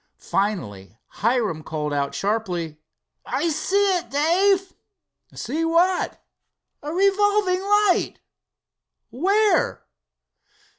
Finally Hiram called out sharply: "I see it, Dave." "See what?" "A revolving light." "Where?"